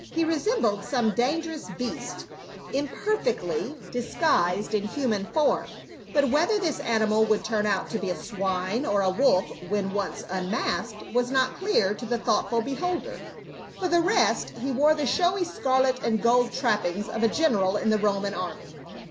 He resembled some dangerous beast imperfectly dis S 34 PAUL. guiscd in human form, but whether this animal would turn out to be a swine or a wolf when once unmasked, was not clear to the thoughtful beholder. For the rest, he wore the showy scarlet and gold trappings of a general in the Roman army.